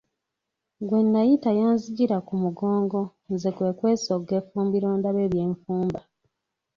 Gwe nayita yanzijira ku mugongo nze kwe kwesogga effumbiro ndabe bye nfumba.